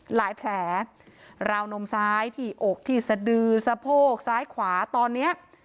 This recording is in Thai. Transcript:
แผลราวนมซ้ายที่อกที่สะดือสะโพกซ้ายขวาตอนเนี้ย